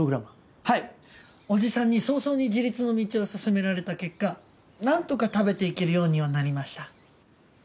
はい叔父さんに早々に自立の道を勧められた結果何とか食べていけるようにはなりました。